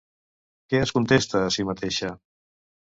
Què es contesta a si mateixa?